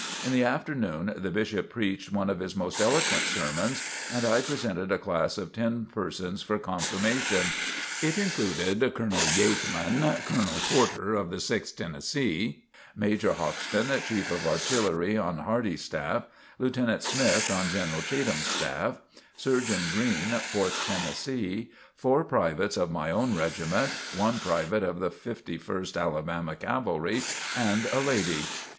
In the afternoon the Bishop preached one of his most eloquent sermons, and I presented a class of ten persons for confirmation. It included Colonel Yeatman; Colonel Porter (of the Sixth Tennessee); Major Hoxton, Chief of Artillery on Hardee's staff; Lieutenant Smith, on General Cheatham's staff; Surgeon Green, (Fourth Tennessee); four privates of my own regiment; one private of the Fifty first Alabama Cavalry; and a lady.